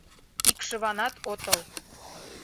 Икшыванат отыл.